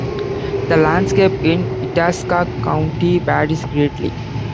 The landscape in Itasca County varies greatly.